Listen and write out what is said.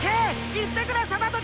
行ってくれ定時！